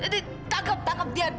tidak tangkap dia